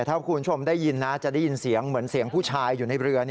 ถ้าคุณผู้ชมได้ยินนะจะได้ยินเสียงเหมือนเสียงผู้ชายอยู่ในเรือ